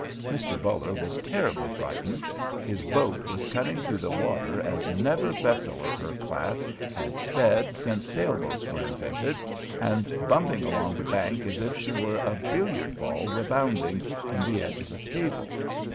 Mr. Buller was terribly frightened; his boat was cutting through the water as never vessel of her class had sped since sail boats were invented, and bumping against the bank as if she were a billiard ball rebounding from the edge of a table.